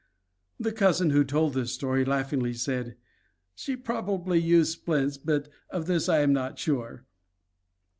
The cousin who told this story laughingly said, "She probably used splints, but of this I am not sure."